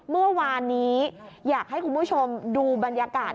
เมื่อวานนี้อยากให้คุณผู้ชมดูบรรยากาศ